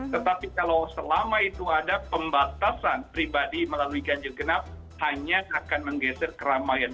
tetapi kalau selama itu ada pembatasan pribadi melalui ganjil genap hanya akan menggeser keramaian